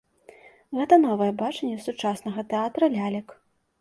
Гэта новае бачанне сучаснага тэатра лялек.